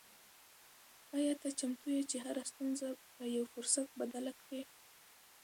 آیا ته چمتو یې چې هره ستونزه په یو فرصت بدله کړې؟